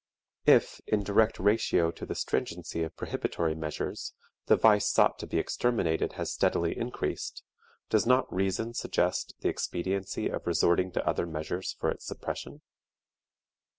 If, in direct ratio to the stringency of prohibitory measures, the vice sought to be exterminated has steadily increased, does not reason suggest the expediency of resorting to other measures for its suppression?